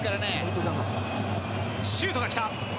シュートがきた。